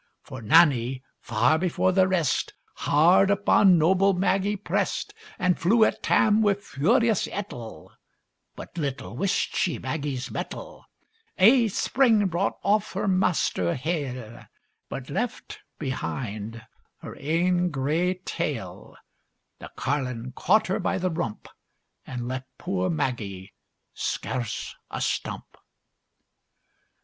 For Nannie, far before the rest, Hard upon noble Maggie prest, And flew at Tam wi' furious ettle; But little wist she Maggie's mettle Ae spring brought off her master hale, But left behind her ain grey tail: The carlin claught her by the rump, And left poor Maggie scarce a stump!